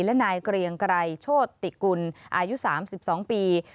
และนายเกลียงไกรโชทติกุลอายุสามสิบสองปี